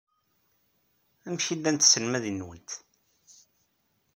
Amek ay llant tselmadin-nwent?